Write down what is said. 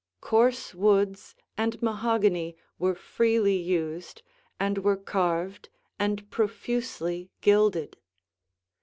Coarse woods and mahogany were freely used and were carved and profusely gilded.